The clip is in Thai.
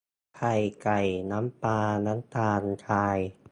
ไข่ไก่ น้ำปลา น้ำตาลทราย